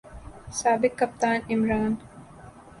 سابق کپتان عمران